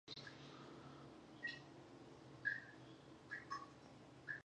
آیا ځینې سپین ږیري ملالۍ نورزۍ بولي؟